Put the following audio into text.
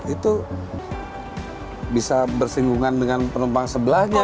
itu bisa bersinggungan dengan penumpang sebelahnya